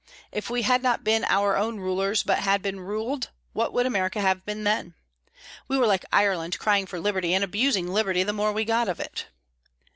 If we had not been our own rulers, but had been ruled what would America have been then? We were like Ireland crying for liberty and abusing liberty the more we got of it.